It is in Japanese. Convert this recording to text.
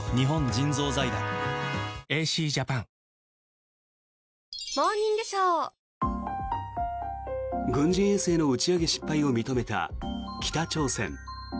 わかるぞ軍事衛星の打ち上げ失敗を認めた北朝鮮。